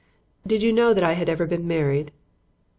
Did you know that I had ever been married?"